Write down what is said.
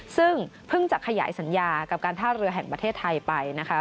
ซึ่งเพิ่งจะขยายสัญญากับการท่าเรือแห่งประเทศไทยไปนะคะ